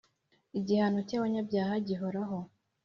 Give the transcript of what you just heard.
Igihano cy’abanyabyaha gihoraho